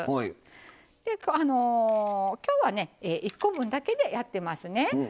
今日は１個分だけでやってますね。